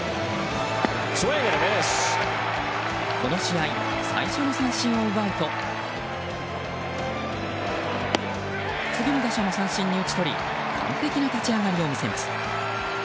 この試合、最初の三振を奪うと次の打者も三振に打ち取り完璧な立ち上がりを見せます。